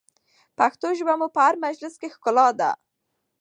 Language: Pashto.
پښتو ژبه مو په هر مجلس کې ښکلا ده.